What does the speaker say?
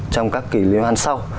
trong các kỳ liên hoan sau